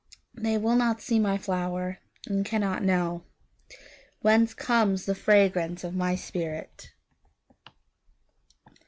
They will not see my flower, And cannot knowWhence comes the fragrance of my spirit!